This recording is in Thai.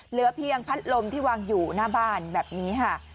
เหลือเพียงพัดลมที่วางอยู่หน้าบ้านแบบนี้ค่ะ